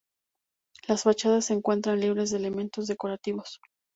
Las fachadas se encuentran libres de elementos decorativos.